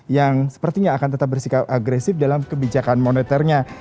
yang sepertinya akan tetap bersikap agresif dalam kebijakan moneternya